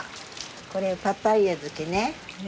これパパイヤ漬けね。